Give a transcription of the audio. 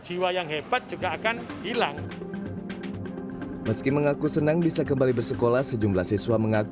jiwa yang hebat juga akan hilang meski mengaku senang bisa kembali bersekolah sejumlah siswa mengaku